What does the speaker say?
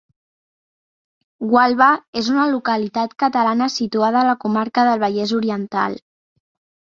Gualba és una localitat catalana situada a la comarca del Vallès Oriental.